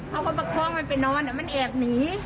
เขาก็ประคองมันไปนอนมันแอบหนี